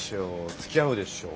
つきあうでしょ。